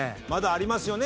ありますよね？